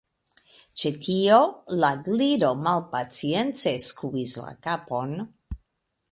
Ĉe tio, la Gliro malpacience skuis la kapon.